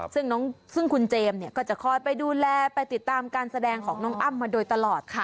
ซึ่งคุณเจมส์เนี่ยก็จะคอยไปดูแลไปติดตามการแสดงของน้องอ้ำมาโดยตลอดค่ะ